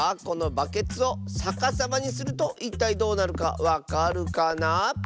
このバケツをさかさまにするといったいどうなるかわかるかな？